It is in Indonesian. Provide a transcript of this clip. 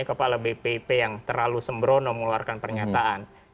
kepala bpip yang terlalu sembrono mengeluarkan pernyataan